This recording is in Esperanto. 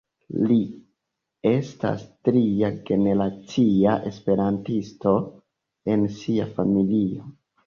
Li estas tria-generacia esperantisto en sia familio.